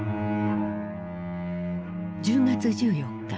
１０月１４日